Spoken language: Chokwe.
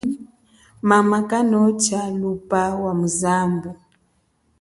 Mama kanotsha luba wa muzambu.